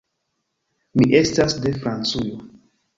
Mi estas de Francujo.